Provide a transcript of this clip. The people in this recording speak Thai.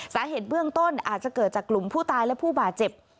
สาเหตุเบื้องต้นอาจจะเกิดจากกลุ่มผู้ตายและผู้บาดเจ็บ